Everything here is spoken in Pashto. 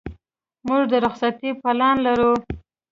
موږ د رخصتۍ پلان لرو.